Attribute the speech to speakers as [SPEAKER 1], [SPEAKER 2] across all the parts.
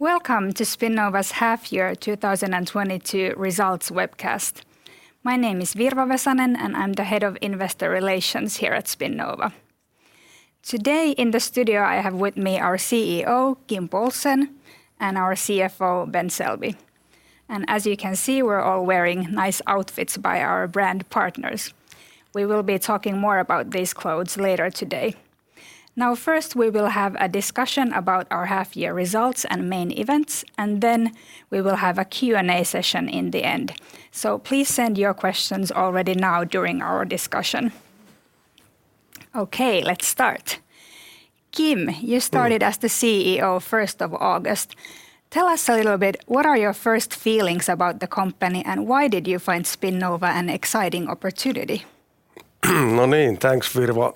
[SPEAKER 1] Welcome to Spinnova's half year 2022 results webcast. My name is Virva Vesanen, and I'm the head of investor relations here at Spinnova. Today, in the studio, I have with me our CEO, Kim Poulsen, and our CFO, Ben Selby. As you can see, we're all wearing nice outfits by our brand partners. We will be talking more about these clothes later today. Now, first, we will have a discussion about our half year results and main events, and then we will have a Q&A session in the end. Please send your questions already now during our discussion. Okay, let's start. Kim, you started as the CEO 1st of August. Tell us a little bit, what are your first feelings about the company, and why did you find Spinnova an exciting opportunity?
[SPEAKER 2] No, I mean, thanks, Virva.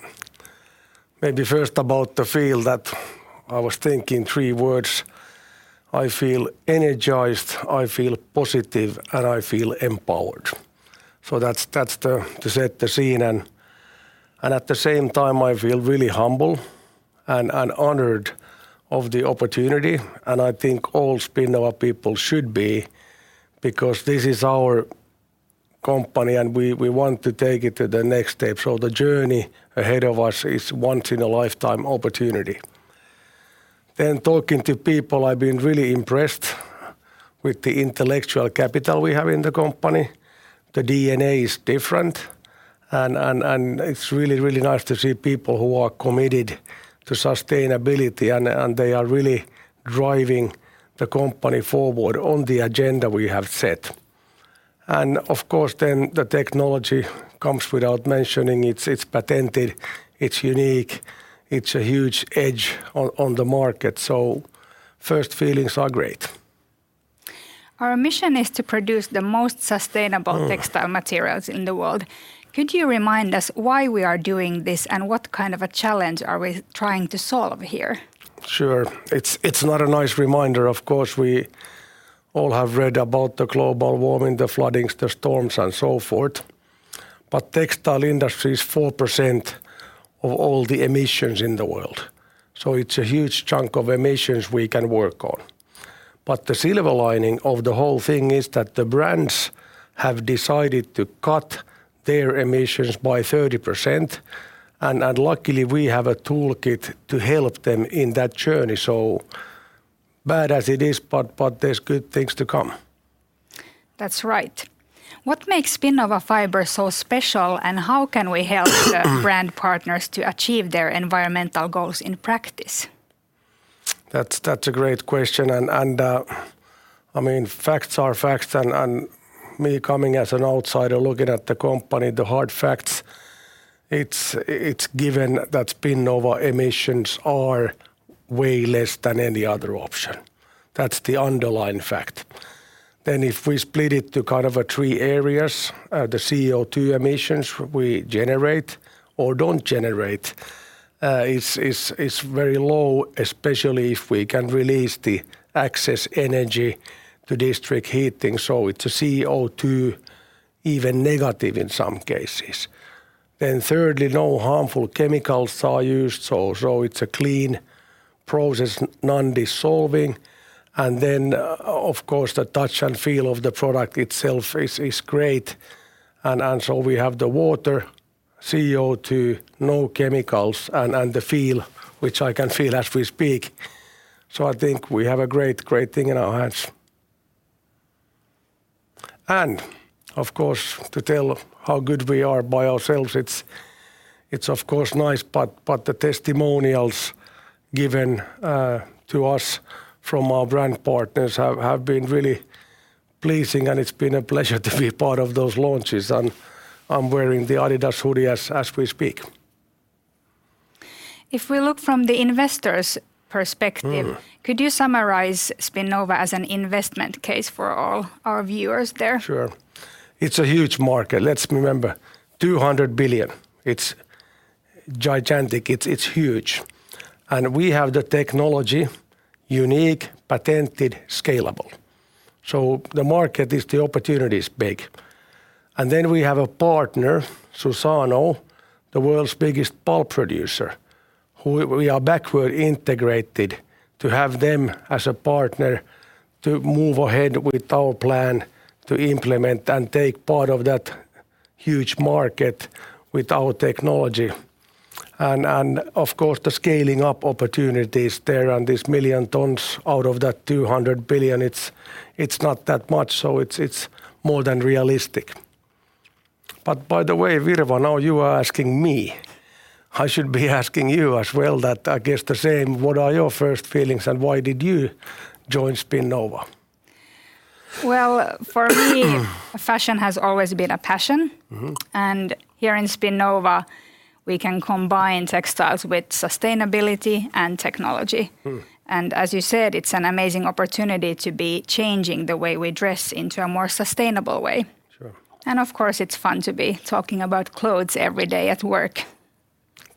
[SPEAKER 2] Maybe first about the feel that I was thinking three words: I feel energized, I feel positive, and I feel empowered. That's to set the scene and at the same time, I feel really humble and honored of the opportunity, and I think all Spinnova people should be because this is our company, and we want to take it to the next step. The journey ahead of us is once in a lifetime opportunity. Talking to people, I've been really impressed with the intellectual capital we have in the company. The DNA is different, and it's really, really nice to see people who are committed to sustainability, and they are really driving the company forward on the agenda we have set. Of course, then the technology goes without saying. It's patented, it's unique, it's a huge edge on the market. First feelings are great.
[SPEAKER 1] Our mission is to produce the most sustainable textile materials in the world. Could you remind us why we are doing this and what kind of a challenge are we trying to solve here?
[SPEAKER 2] Sure. It's not a nice reminder. Of course, we all have read about the global warming, the floodings, the storms, and so forth, but textile industry is 4% of all the emissions in the world, so it's a huge chunk of emissions we can work on. The silver lining of the whole thing is that the brands have decided to cut their emissions by 30%, and luckily we have a toolkit to help them in that journey. Bad as it is, but there's good things to come.
[SPEAKER 1] That's right. What makes Spinnova fiber so special, and how can we help the brand partners to achieve their environmental goals in practice?
[SPEAKER 2] That's a great question, and I mean, facts are facts, and me coming as an outsider looking at the company, the hard facts, it's given that Spinnova emissions are way less than any other option. That's the underlying fact. If we split it into kind of three areas, the CO2 emissions we generate or don't generate is very low, especially if we can release the excess energy to district heating, so it's a CO2 even negative in some cases. Thirdly, no harmful chemicals are used, so it's a clean process, nondissolving. Of course, the touch and feel of the product itself is great. We have the water, CO2, no chemicals, and the feel, which I can feel as we speak. I think we have a great thing in our hands. Of course, to tell how good we are by ourselves, it's of course nice, but the testimonials given to us from our brand partners have been really pleasing, and it's been a pleasure to be part of those launches. I'm wearing the Adidas hoodie as we speak.
[SPEAKER 1] If we look from the investor's perspective.
[SPEAKER 2] Mm
[SPEAKER 1] Could you summarize Spinnova as an investment case for all our viewers there?
[SPEAKER 2] Sure. It's a huge market. Let's remember, 200 billion. It's gigantic. It's huge. We have the technology, unique, patented, scalable. The market is, the opportunity is big. Then we have a partner, Suzano, the world's biggest pulp producer, who we are backward integrated to have them as a partner to move ahead with our plan to implement and take part of that huge market with our technology. Of course, the scaling up opportunity is there, and this 1 million tons out of that 200 billion, it's not that much, so it's more than realistic. By the way, Virva, now you are asking me. I should be asking you as well that, I guess, the same. What are your first feelings, and why did you join Spinnova?
[SPEAKER 1] Well, fashion has always been a passion.
[SPEAKER 2] Mm-hmm.
[SPEAKER 1] Here in Spinnova, we can combine textiles with sustainability and technology.
[SPEAKER 2] Mm.
[SPEAKER 1] As you said, it's an amazing opportunity to be changing the way we dress into a more sustainable way.
[SPEAKER 2] Sure.
[SPEAKER 1] Of course, it's fun to be talking about clothes every day at work.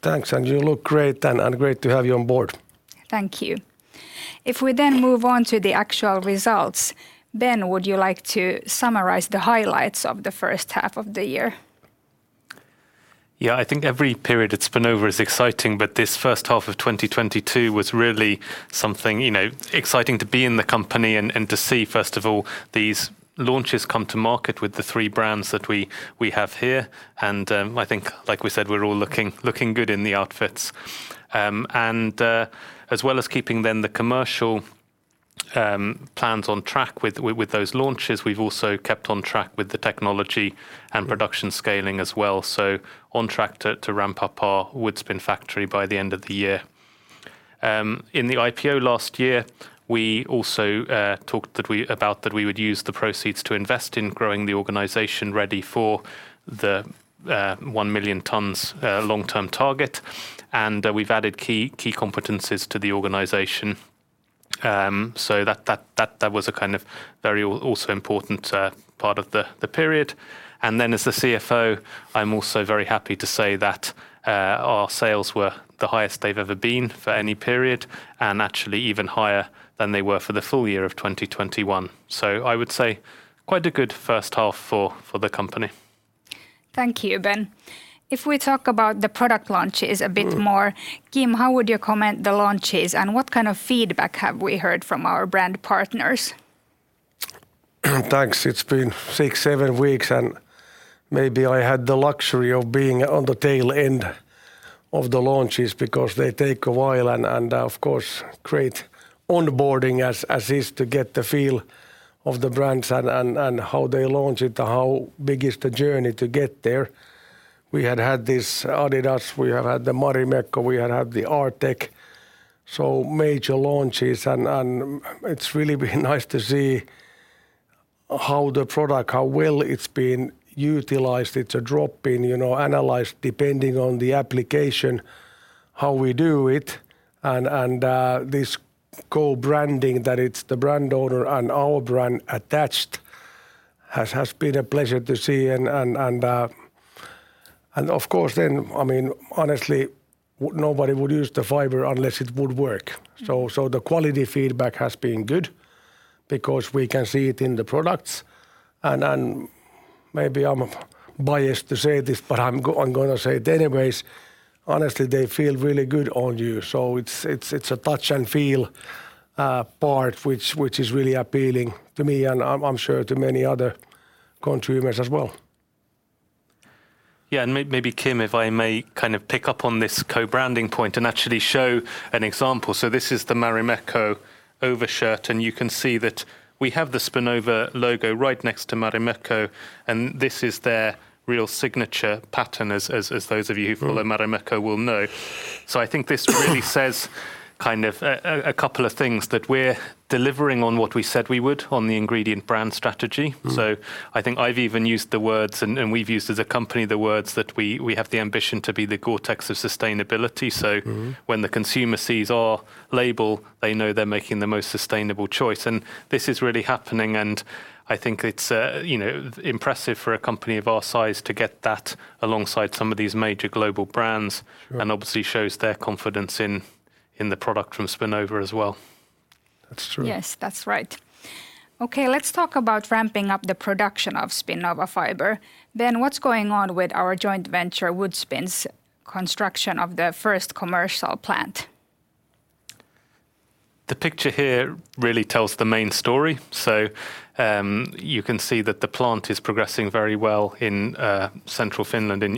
[SPEAKER 2] Thanks, you look great, and great to have you on board.
[SPEAKER 1] Thank you. If we then move on to the actual results, Ben, would you like to summarize the highlights of the first half of the year?
[SPEAKER 3] Yeah, I think every period at Spinnova is exciting, but this first half of 2022 was really something, you know, exciting to be in the company and to see, first of all, these launches come to market with the three brands that we have here. I think, like we said, we're all looking good in the outfits. As well as keeping then the commercial plans on track with those launches, we've also kept on track with the technology and production scaling as well. On track to ramp up our Woodspin factory by the end of the year. In the IPO last year, we also talked about that we would use the proceeds to invest in growing the organization ready for the 1 million tons long-term target. We've added key competencies to the organization. That was a kind of very also important part of the period. As the CFO, I'm also very happy to say that our sales were the highest they've ever been for any period, and actually even higher than they were for the full year of 2021. I would say quite a good first half for the company.
[SPEAKER 1] Thank you, Ben. If we talk about the product launches a bit more.
[SPEAKER 3] Mm.
[SPEAKER 1] Kim, how would you comment the launches, and what kind of feedback have we heard from our brand partners?
[SPEAKER 2] Thanks. It's been 6-7 weeks, and maybe I had the luxury of being on the tail end of the launches because they take a while and of course great onboarding as is to get the feel of the brands and how they launch it, how big is the journey to get there. We had this Adidas, we have had the Marimekko, we had the Artek, so major launches and it's really been nice to see how the product, how well it's been utilized. It's a drop-in, you know, analyzed depending on the application, how we do it, and this co-branding, that it's the brand owner and our brand attached has been a pleasure to see and of course then, I mean, honestly, nobody would use the fiber unless it would work. The quality feedback has been good because we can see it in the products. Maybe I'm biased to say this, but I'm gonna say it anyways. Honestly, they feel really good on you. It's a touch and feel part, which is really appealing to me and I'm sure to many other consumers as well.
[SPEAKER 3] Yeah. Maybe Kim, if I may kind of pick up on this co-branding point and actually show an example. This is the Marimekko overshirt, and you can see that we have the Spinnova logo right next to Marimekko, and this is their real signature pattern, as those of you who follow Marimekko will know. I think this really says kind of a couple of things, that we're delivering on what we said we would on the ingredient brand strategy.
[SPEAKER 2] Mm.
[SPEAKER 3] I think I've even used the words and we've used as a company the words that we have the ambition to be the Gore-Tex of sustainability.
[SPEAKER 2] Mm-hmm...
[SPEAKER 3] when the consumer sees our label, they know they're making the most sustainable choice. This is really happening, and I think it's, you know, impressive for a company of our size to get that alongside some of these major global brands.
[SPEAKER 2] Sure.
[SPEAKER 3] Obviously shows their confidence in the product from Spinnova as well.
[SPEAKER 2] That's true.
[SPEAKER 1] Yes, that's right. Okay, let's talk about ramping up the production of SPINNOVA fiber. Ben, what's going on with our joint venture Woodspin’s construction of the first commercial plant?
[SPEAKER 3] The picture here really tells the main story. You can see that the plant is progressing very well in central Finland in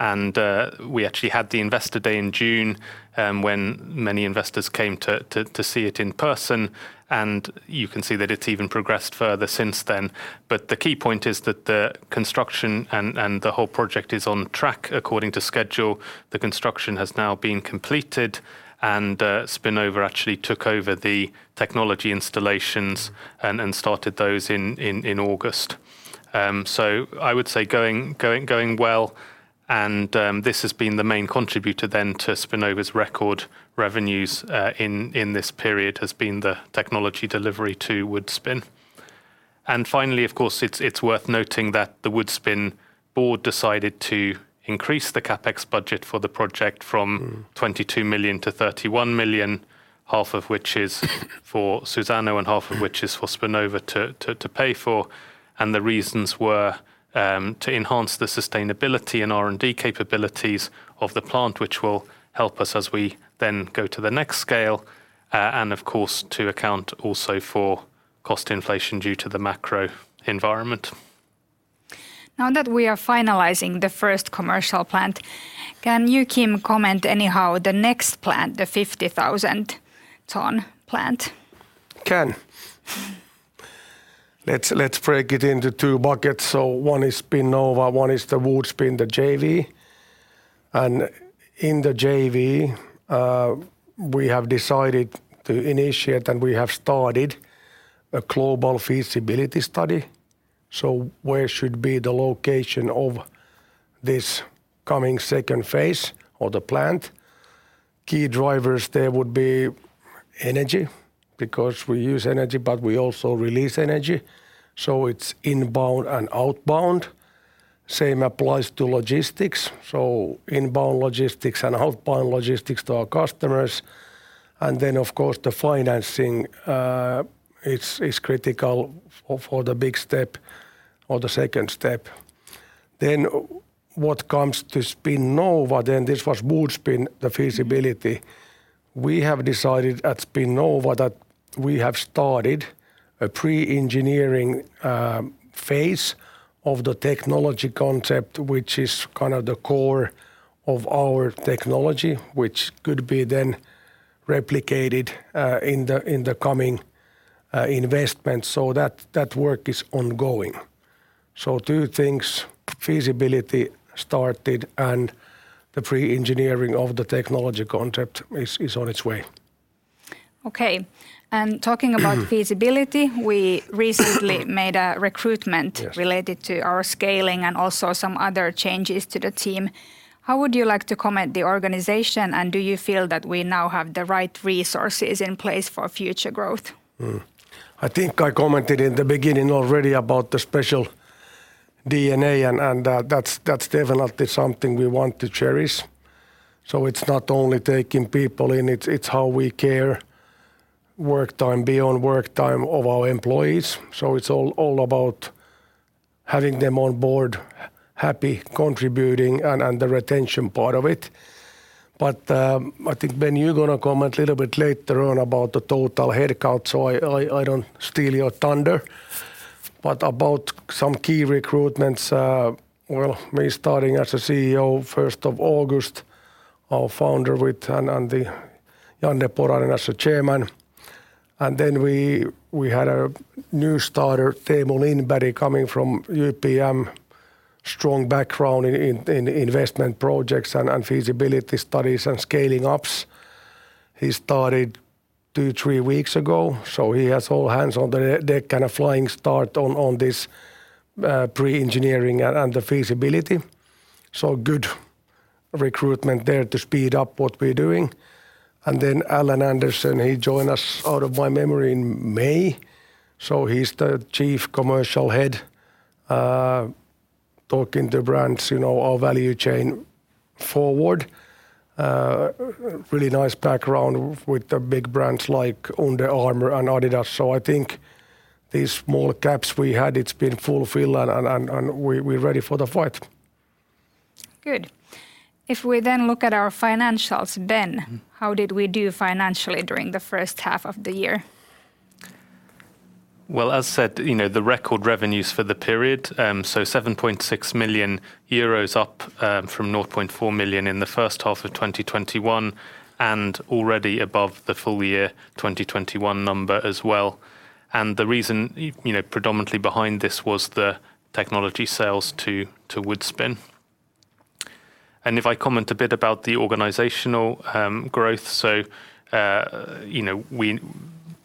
[SPEAKER 3] Jyväskylä. We actually had the Investor Day in June when many investors came to see it in person. You can see that it's even progressed further since then. The key point is that the construction and the whole project is on track according to schedule. The construction has now been completed, and Spinnova actually took over the technology installations and started those in August. I would say going well, and this has been the main contributor then to Spinnova's record revenues in this period, has been the technology delivery to Woodspin. Finally, of course, it's worth noting that the Woodspin board decided to increase the CapEx budget for the project from 22 million-31 million, half of which is for Suzano and half of which is for Spinnova to pay for. The reasons were to enhance the sustainability and R&D capabilities of the plant, which will help us as we then go to the next scale, and of course, to account also for cost inflation due to the macro environment.
[SPEAKER 1] Now that we are finalizing the first commercial plant, can you, Kim, comment on how the next plant, the 50,000-ton plant?
[SPEAKER 2] Let's break it into two buckets. One is Spinnova, one is the Woodspin, the JV. In the JV, we have decided to initiate, and we have started a global feasibility study. Where should be the location of this coming second phase of the plant. Key drivers there would be energy, because we use energy, but we also release energy. It's inbound and outbound. Same applies to logistics, inbound logistics and outbound logistics to our customers. Of course the financing is critical for the big step, or the second step. What comes to Spinnova, this was Woodspin, the feasibility. We have decided at Spinnova that we have started a pre-engineering phase of the technology concept, which is kind of the core of our technology, which could be then replicated in the coming investment, so that work is ongoing. Two things, feasibility started, and the pre-engineering of the technology concept is on its way.
[SPEAKER 1] Okay, talking about feasibility, we recently made a recruitment.
[SPEAKER 2] Yes
[SPEAKER 1] related to our scaling, and also some other changes to the team. How would you like to comment on the organization, and do you feel that we now have the right resources in place for future growth?
[SPEAKER 2] I think I commented in the beginning already about the special DNA, and that's definitely something we want to cherish. It's not only taking people in, it's how we care work time beyond work time of our employees. It's all about having them on board, happy, contributing, and the retention part of it. I think, Ben, you're gonna comment a little bit later on about the total headcount, so I don't steal your thunder. About some key recruitments, me starting as the CEO 1st of August, our founder and Janne Poranen as the Chairman. Then we had a new starter, Teemu Lindberg, coming from UPM, strong background in investment projects and feasibility studies and scaling up. He started 2-3 weeks ago, so he has all hands on deck, and a flying start on this pre-engineering and the feasibility. Good recruitment there to speed up what we're doing. Allan Andersen, he joined us, out of my memory, in May, so he's the chief commercial head, talking to brands, you know, our value chain forward. Really nice background with the big brands like Under Armour and Adidas. I think these small gaps we had, it's been fulfilled, and we're ready for the fight.
[SPEAKER 1] Good. If we then look at our financials, Ben, how did we do financially during the first half of the year?
[SPEAKER 3] Well, as said, you know, the record revenues for the period, so 7.6 million euros, up, from 0.4 million in the first half of 2021, and already above the full year 2021 number as well. The reason, you know, predominantly behind this was the technology sales to Woodspin. If I comment a bit about the organizational growth, you know, we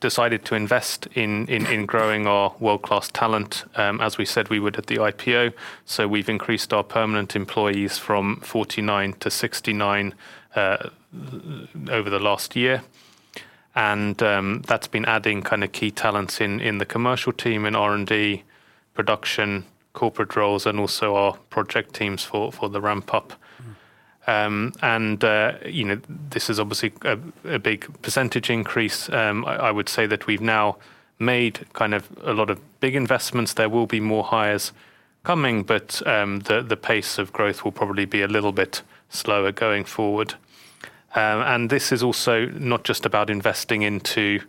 [SPEAKER 3] decided to invest in growing our world-class talent, as we said we would at the IPO, so we've increased our permanent employees from 49 to 69 over the last year. That's been adding kind of key talents in the commercial team, in R&D, production, corporate roles, and also our project teams for the ramp-up. You know, this is obviously a big percentage increase. I would say that we've now made kind of a lot of big investments. There will be more hires coming, but the pace of growth will probably be a little bit slower going forward. This is also not just about investing into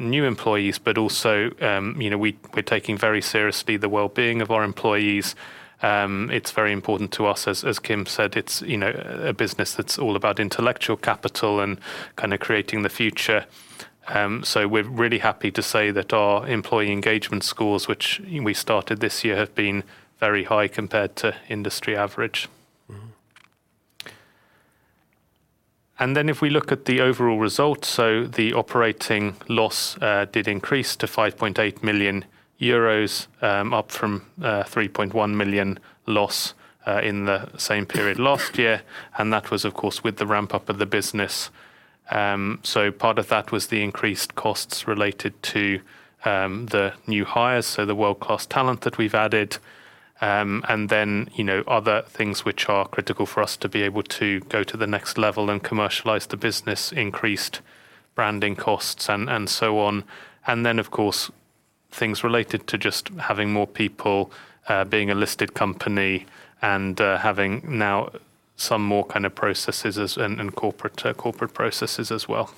[SPEAKER 3] new employees, but also you know, we're taking very seriously the wellbeing of our employees. It's very important to us. As Kim said, it's you know, a business that's all about intellectual capital, and kind of creating the future. We're really happy to say that our employee engagement scores, which we started this year, have been very high compared to industry average.
[SPEAKER 2] Mm-hmm.
[SPEAKER 3] If we look at the overall results, so the operating loss did increase to 5.8 million euros, up from 3.1 million loss in the same period last year, and that was of course with the ramp-up of the business. Part of that was the increased costs related to the new hires, so the world-class talent that we've added, and then, you know, other things which are critical for us to be able to go to the next level and commercialize the business, increased branding costs and so on. Of course things related to just having more people, being a listed company, and having now some more kind of processes and corporate processes as well.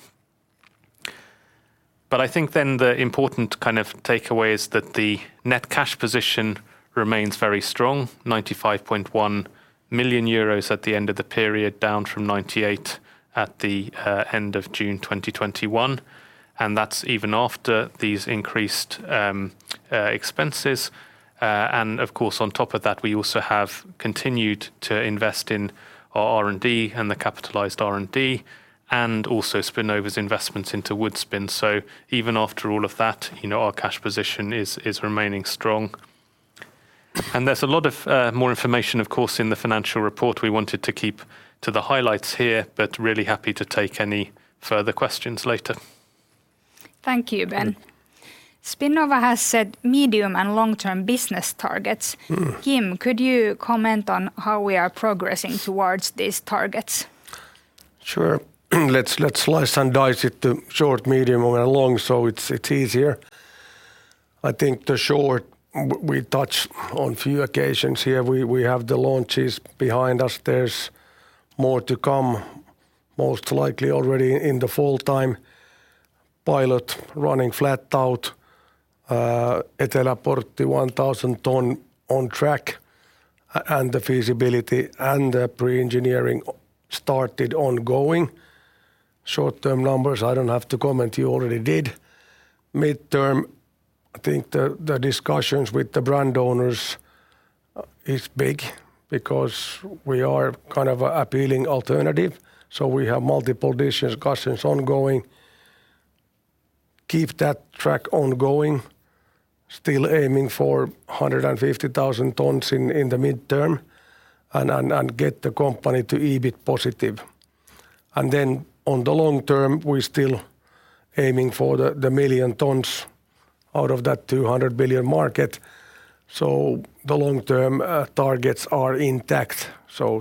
[SPEAKER 3] I think then the important kind of takeaway is that the net cash position remains very strong, 95.1 million euros at the end of the period, down from 98 million at the end of June 2021, and that's even after these increased expenses. Of course on top of that we also have continued to invest in our R&D, and the capitalized R&D, and also Spinnova's investments into Woodspin. Even after all of that, you know, our cash position is remaining strong. There's a lot more information of course in the financial report. We wanted to keep to the highlights here, but really happy to take any further questions later.
[SPEAKER 1] Thank you, Ben. Spinnova has set medium and long-term business targets.
[SPEAKER 2] Mm.
[SPEAKER 1] Kim, could you comment on how we are progressing towards these targets?
[SPEAKER 2] Sure. Let's slice and dice it to short, medium, and long so it's easier. I think the short, we touch on few occasions here. We have the launches behind us. There's more to come most likely already in the fall time. Pilot running flat out. Eteläportti 1,000 ton on track, and the feasibility and the pre-engineering started ongoing. Short-term numbers, I don't have to comment. You already did. Midterm, I think the discussions with the brand owners is big because we are kind of an appealing alternative, so we have multiple discussions ongoing. Keep that on track ongoing, still aiming for 150,000 tons in the midterm and get the company to EBIT positive. On the long term, we're still aiming for 1 million tons out of that 200 billion market. The long-term targets are intact.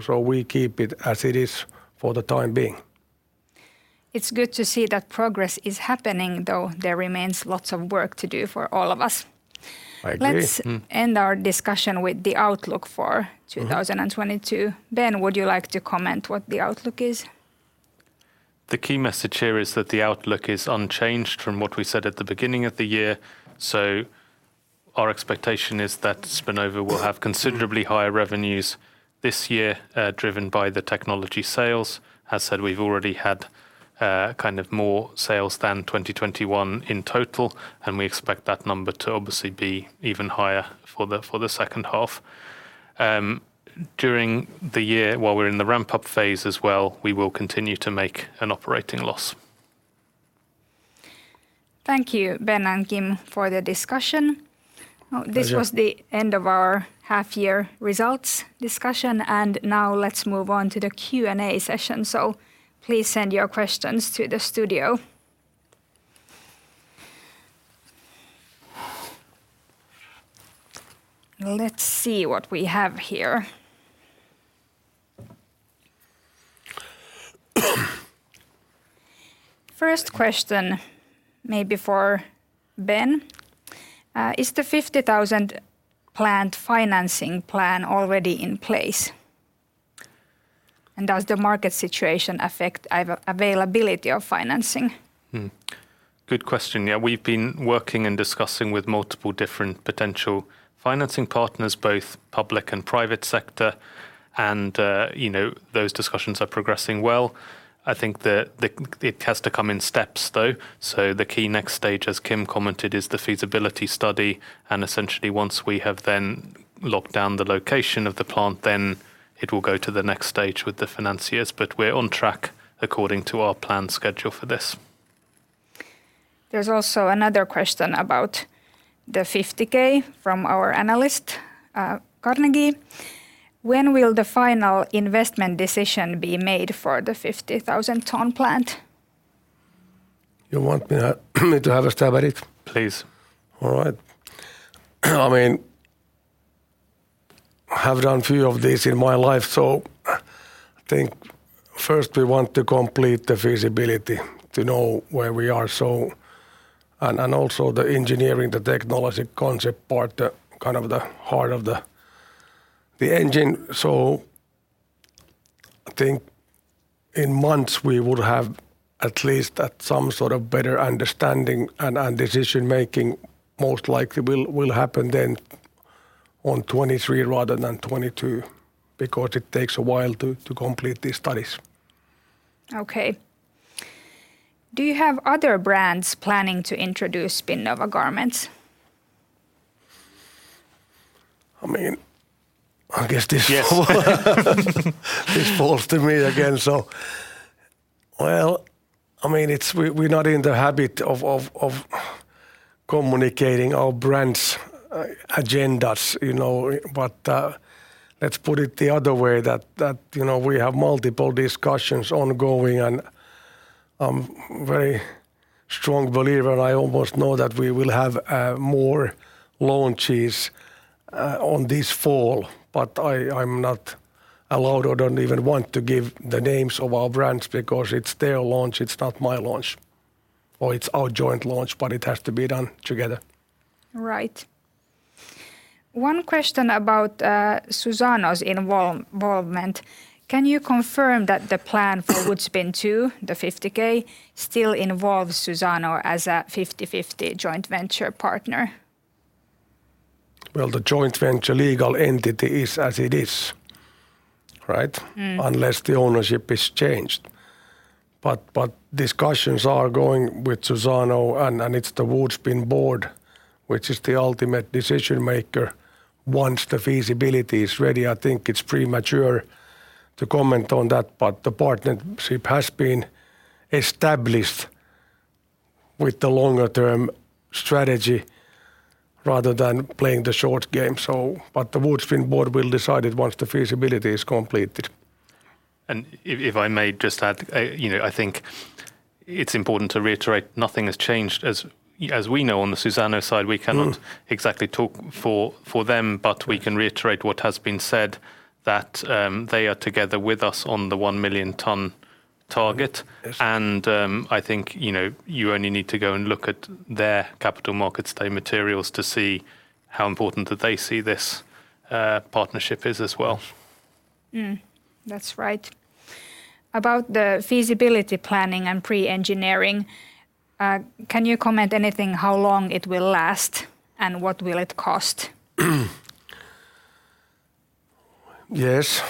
[SPEAKER 2] We keep it as it is for the time being.
[SPEAKER 1] It's good to see that progress is happening, though there remains lots of work to do for all of us.
[SPEAKER 2] I agree.
[SPEAKER 1] Let's end our discussion with the outlook for 2022.
[SPEAKER 2] Mm-hmm.
[SPEAKER 1] Ben, would you like to comment what the outlook is?
[SPEAKER 3] The key message here is that the outlook is unchanged from what we said at the beginning of the year. Our expectation is that Spinnova will have considerably higher revenues this year, driven by the technology sales. As said, we've already had kind of more sales than 2021 in total, and we expect that number to obviously be even higher for the second half. During the year while we're in the ramp-up phase as well, we will continue to make an operating loss.
[SPEAKER 1] Thank you, Ben and Kim, for the discussion.
[SPEAKER 2] Pleasure.
[SPEAKER 1] This was the end of our half-year results discussion, and now let's move on to the Q&A session. Please send your questions to the studio. Let's see what we have here. First question may be for Ben. Is the 50,000 plant financing plan already in place? Does the market situation affect availability of financing?
[SPEAKER 3] Good question. Yeah, we've been working and discussing with multiple different potential financing partners, both public and private sector, and, you know, those discussions are progressing well. I think the it has to come in steps though, so the key next stage, as Kim commented, is the feasibility study, and essentially once we have then locked down the location of the plant, then it will go to the next stage with the financiers. We're on track according to our planned schedule for this.
[SPEAKER 1] There's also another question about the 50,000 from our analyst, Carnegie. When will the final investment decision be made for the 50,000-ton plant?
[SPEAKER 2] You want me to have a stab at it?
[SPEAKER 3] Please.
[SPEAKER 2] All right. I mean, I have done a few of these in my life, so I think first we want to complete the feasibility to know where we are. Also the engineering, the technology concept part, the kind of the heart of the engine. I think in months we would have at least some sort of better understanding, and decision making most likely will happen then on 2023 rather than 2022 because it takes a while to complete these studies.
[SPEAKER 1] Okay. Do you have other brands planning to introduce Spinnova garments?
[SPEAKER 2] I mean, I guess this.
[SPEAKER 3] Yes.
[SPEAKER 2] This falls to me again. Well, I mean, it's, we're not in the habit of communicating our brands' agendas, you know. Let's put it the other way. You know, we have multiple discussions ongoing, and I'm very strong believer, and I almost know that we will have more launches on this fall. I'm not allowed or don't even want to give the names of our brands because it's their launch. It's not my launch. It's our joint launch, but it has to be done together.
[SPEAKER 1] Right. One question about Suzano's involvement. Can you confirm that the plan for Woodspin 2, the 50K, still involves Suzano as a 50/50 joint venture partner?
[SPEAKER 2] Well, the joint venture legal entity is as it is, right?
[SPEAKER 1] Mm.
[SPEAKER 2] Unless the ownership is changed. Discussions are going with Suzano, and it's the Woodspin board which is the ultimate decision maker once the feasibility is ready. I think it's premature to comment on that, but the partnership has been established with the longer term strategy rather than playing the short game. The Woodspin board will decide it once the feasibility is completed.
[SPEAKER 3] If I may just add, you know, I think it's important to reiterate nothing has changed as we know on the Suzano side.
[SPEAKER 2] Mm.
[SPEAKER 3] We cannot exactly talk for them, but we can reiterate what has been said that they are together with us on the 1 million ton target.
[SPEAKER 2] Yes.
[SPEAKER 3] I think, you know, you only need to go and look at their capital markets statement materials to see how important that they see this partnership is as well.
[SPEAKER 1] That's right. About the feasibility planning and pre-engineering, can you comment anything how long it will last and what will it cost?
[SPEAKER 2] Yes.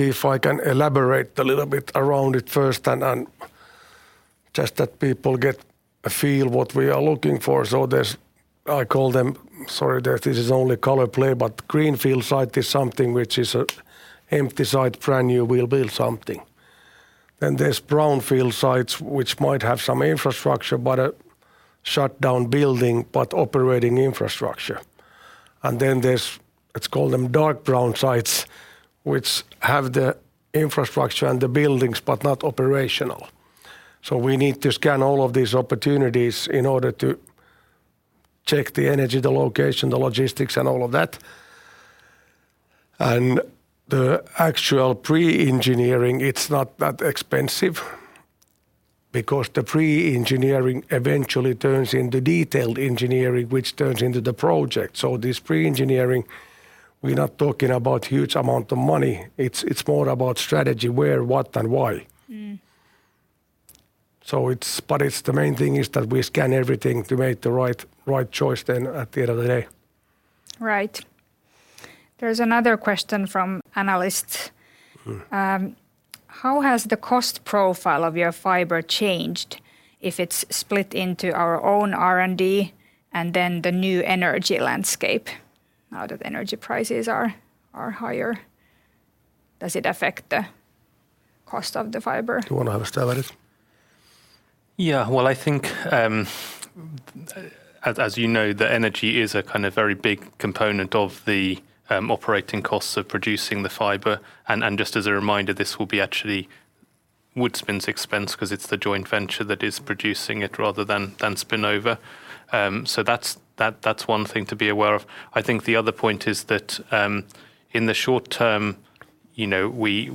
[SPEAKER 2] If I can elaborate a little bit around it first and just that people get a feel what we are looking for. There's, I call them, sorry, that this is only color play, but greenfield site is something which is an empty site, brand new. We'll build something. There's brownfield sites which might have some infrastructure, but a shut down building, but operating infrastructure. There's, let's call them dark brown sites, which have the infrastructure and the buildings, but not operational. We need to scan all of these opportunities in order to check the energy, the location, the logistics, and all of that. The actual pre-engineering, it's not that expensive because the pre-engineering eventually turns into detailed engineering, which turns into the project. This pre-engineering, we're not talking about huge amount of money. It's more about strategy, where, what, and why.
[SPEAKER 1] Mm.
[SPEAKER 2] The main thing is that we scan everything to make the right choice then at the end of the day.
[SPEAKER 1] Right. There's another question from analyst.
[SPEAKER 2] Mm.
[SPEAKER 1] How has the cost profile of your fiber changed if it's split into our own R&D and then the new energy landscape now that energy prices are higher? Does it affect the cost of the fiber?
[SPEAKER 2] Do you want to have a stab at it?
[SPEAKER 3] Yeah. Well, I think, as you know, the energy is a kind of very big component of the operating costs of producing the fiber. Just as a reminder, this will be actually Woodspin's expense 'cause it's the joint venture that is producing it rather than Spinnova. That's one thing to be aware of. I think the other point is that, in the short term, you know,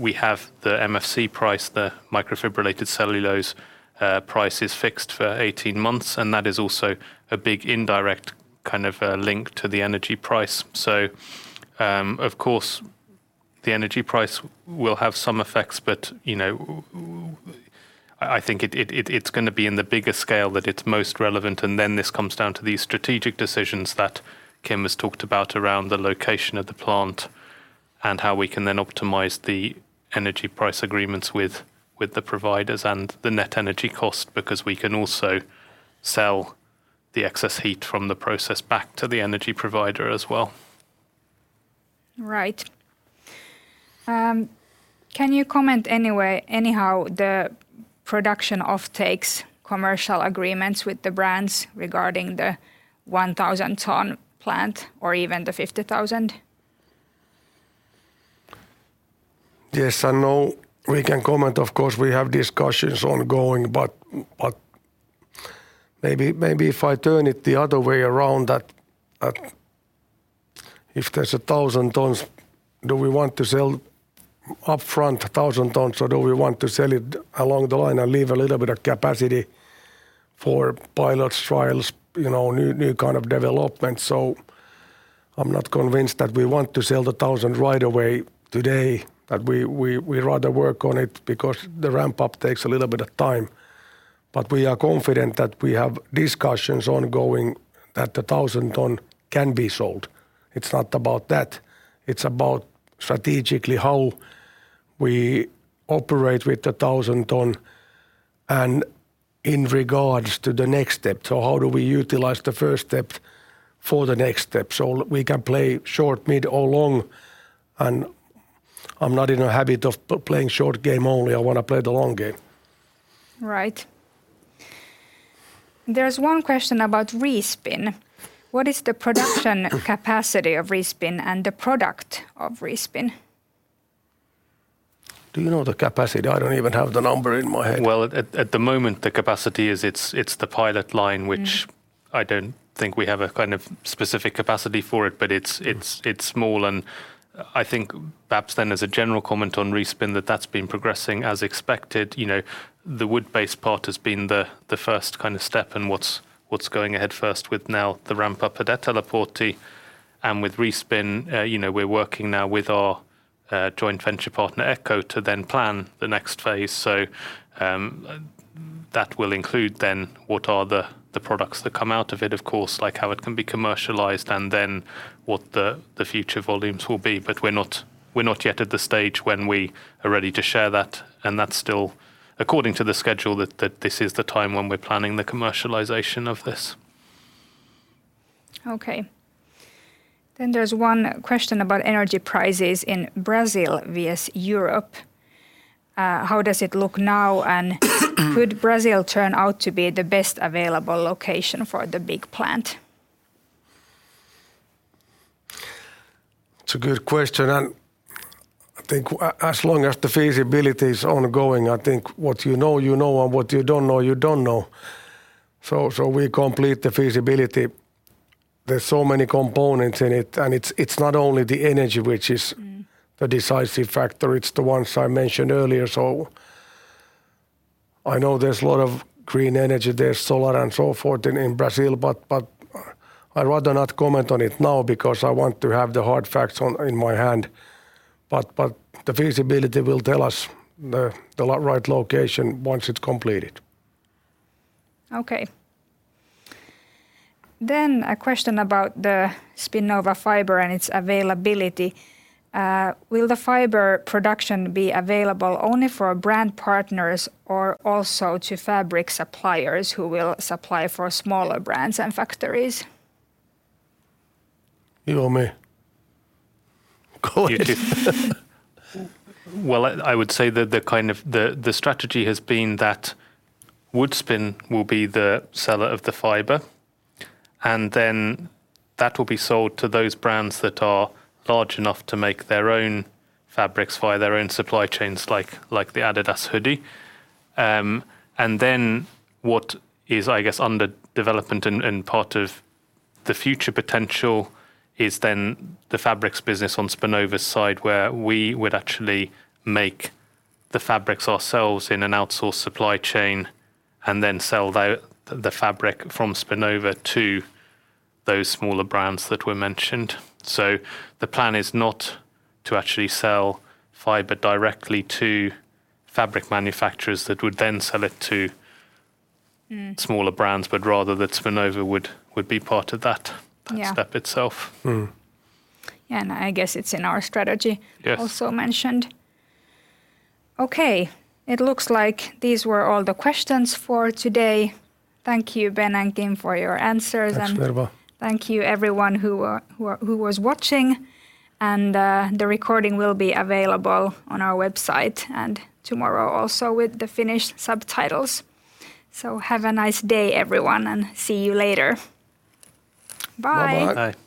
[SPEAKER 3] we have the MFC price, the microfibrillated cellulose, price is fixed for 18 months, and that is also a big indirect kind of link to the energy price. Of course, the energy price will have some effects, but, you know, I think it's gonna be in the bigger scale that it's most relevant. This comes down to the strategic decisions that Kim has talked about around the location of the plant and how we can then optimize the energy price agreements with the providers and the net energy cost because we can also sell the excess heat from the process back to the energy provider as well.
[SPEAKER 1] Right. Can you comment anyway, anyhow, on the production outlook or the commercial agreements with the brands regarding the 1,000-ton plant or even the 50,000?
[SPEAKER 2] Yes and no. We can comment, of course. We have discussions ongoing, but maybe if I turn it the other way around that if there's 1,000 tons, do we want to sell upfront 1,000 tons, or do we want to sell it along the line and leave a little bit of capacity for pilots, trials, you know, new kind of development? I'm not convinced that we want to sell the 1,000 right away today, that we rather work on it because the ramp up takes a little bit of time. We are confident that we have discussions ongoing that the 1,000-ton can be sold. It's not about that. It's about strategically how we operate with the 1,000-ton and in regards to the next step. How do we utilize the first step for the next step? We can play short, mid, or long, and I'm not in a habit of playing short game only. I want to play the long game.
[SPEAKER 1] Right. There's one question about Respin. What is the production capacity of Respin and the product of Respin?
[SPEAKER 2] Do you know the capacity? I don't even have the number in my head.
[SPEAKER 3] Well, at the moment, the capacity is it's the pilot line.
[SPEAKER 1] Mm
[SPEAKER 3] which I don't think we have a kind of specific capacity for it, but it's small. I think perhaps then as a general comment on Respin that that's been progressing as expected. You know, the wood-based part has been the first kind of step and what's going ahead first with now the ramp up at Eteläportti. With Respin, you know, we're working now with our joint venture partner Ecco to then plan the next phase. That will include then what are the products that come out of it, of course, like how it can be commercialized, and then what the future volumes will be. We're not yet at the stage when we are ready to share that, and that's still according to the schedule that this is the time when we're planning the commercialization of this.
[SPEAKER 1] Okay. There's one question about energy prices in Brazil versus Europe. How does it look now, and could Brazil turn out to be the best available location for the big plant?
[SPEAKER 2] It's a good question, and I think as long as the feasibility is ongoing, I think what you know, you know, and what you don't know, you don't know. We complete the feasibility. There's so many components in it, and it's not only the energy which is.
[SPEAKER 1] Mm
[SPEAKER 2] the decisive factor. It's the ones I mentioned earlier. I know there's a lot of green energy, there's solar and so forth in Brazil, but I'd rather not comment on it now because I want to have the hard facts in my hand. The feasibility will tell us the right location once it's completed.
[SPEAKER 1] Okay. A question about the SPINNOVA fiber and its availability. Will the fiber production be available only for brand partners or also to fabric suppliers who will supply for smaller brands and factories?
[SPEAKER 2] You or me?
[SPEAKER 3] Go ahead.
[SPEAKER 2] You do.
[SPEAKER 3] Well, I would say that the kind of strategy has been that Woodspin will be the seller of the fiber, and then that will be sold to those brands that are large enough to make their own fabrics via their own supply chains, like the Adidas hoodie. And then what is, I guess, under development and part of the future potential is then the fabrics business on Spinnova's side, where we would actually make the fabrics ourselves in an outsourced supply chain and then sell the fabric from Spinnova to those smaller brands that were mentioned. The plan is not to actually sell fiber directly to fabric manufacturers that would then sell it to-
[SPEAKER 1] Mm
[SPEAKER 3] Smaller brands, but rather that Spinnova would be part of that.
[SPEAKER 1] Yeah
[SPEAKER 3] that step itself.
[SPEAKER 2] Mm.
[SPEAKER 1] I guess it's in our strategy.
[SPEAKER 3] Yes
[SPEAKER 1] also mentioned. Okay, it looks like these were all the questions for today. Thank you, Ben and Kim, for your answers.
[SPEAKER 2] Thanks, very well.
[SPEAKER 1] Thank you everyone who was watching. The recording will be available on our website and tomorrow also with the Finnish subtitles. Have a nice day everyone, and see you later. Bye.
[SPEAKER 2] Bye-bye.
[SPEAKER 3] Bye.